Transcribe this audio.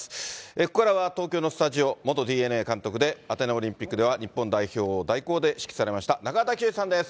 ここからは東京のスタジオ、元ＤｅＮＡ監督で、アテネオリンピックでは、日本代表を代行で指揮されました中畑清さんです。